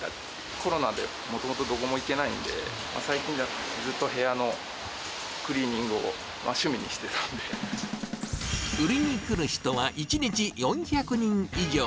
コロナでもともとどこにも行けないので、最近じゃ、ずっと部屋の売りに来る人は１日４００人以上。